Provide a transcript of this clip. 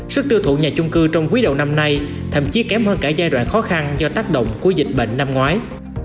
sức tiêu thụ nhà chung cư trong quý đầu năm nay thậm chí kém hơn cả giai đoạn khó khăn do tác động của dịch bệnh năm ngoái